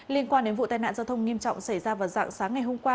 liên quan đến vụ tai nạn giao thông nghiêm trọng xảy ra vào dạng sáng ngày hôm qua